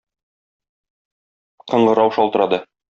Кыңгырау шалтырады.